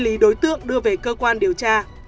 lý đối tượng đưa về cơ quan điều tra